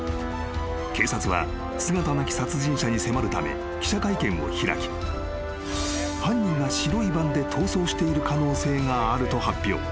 ［警察は姿なき殺人者に迫るため記者会見を開き犯人が白いバンで逃走している可能性があると発表］